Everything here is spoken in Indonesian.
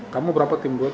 kamu berapa tim buat